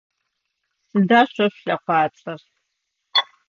Сыда шъо шъулъэкъуацӏэр?